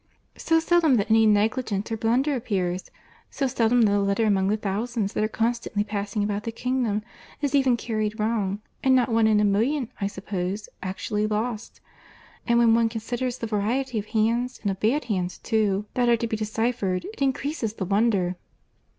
"So seldom that any negligence or blunder appears! So seldom that a letter, among the thousands that are constantly passing about the kingdom, is even carried wrong—and not one in a million, I suppose, actually lost! And when one considers the variety of hands, and of bad hands too, that are to be deciphered, it increases the wonder."